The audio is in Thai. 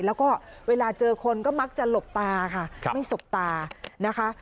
แล้วก็เวลาเจอคนก็มักจะหลบตาค่ะไม่สบตานะคะ